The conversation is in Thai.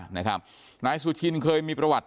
นายสุชินเคยมีประวัติ